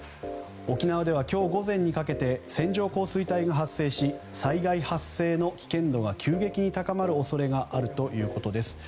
沖縄では今日午前にかけて線状降水帯が発生し災害発生の危険度が急激に高まる恐れがあるということです。